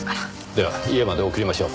では家まで送りましょう。